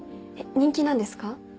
人気なんですか？